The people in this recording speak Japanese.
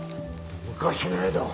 昔の絵だ。